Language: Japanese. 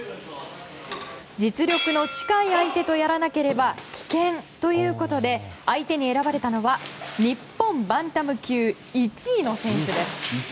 実力の近い相手とやらないと危険ということで相手に選ばれたのは日本バンタム級１位の選手です。